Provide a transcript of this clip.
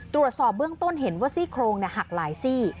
ตรวจสอบเบื้องต้นเห็นว่าซี่โครงหักหลายซี่